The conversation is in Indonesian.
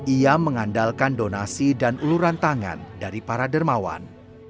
ia mengandalkan donasi dan uluran tangan dari para dermawan